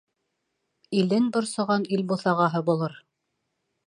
Илен борсоған ил буҫағаһы булыр.